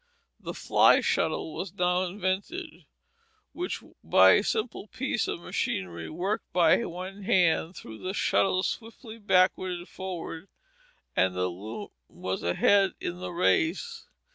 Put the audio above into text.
The fly shuttle was now invented, which by a simple piece of machinery, worked by one hand, threw the shuttle swiftly backward and forward, and the loom was ahead in the race.